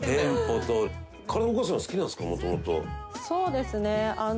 そうですね。